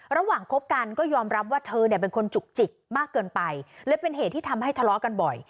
คบกันก็ยอมรับว่าเธอเนี่ยเป็นคนจุกจิกมากเกินไปเลยเป็นเหตุที่ทำให้ทะเลาะกันบ่อย